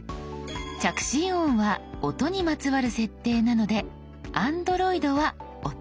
着信音は音にまつわる設定なのでＡｎｄｒｏｉｄは「音」